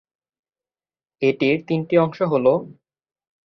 এটির তিনটি অংশ হল-